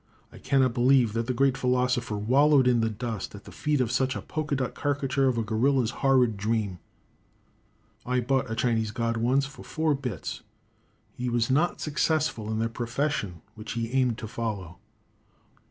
I cannot believe that the great philosopher wallowed in the dust at the feet of such a polka dot carricature of a gorilla's horrid dream. I bought a Chinese god once, for four bits. He was not successful in the profession which he aimed to follow.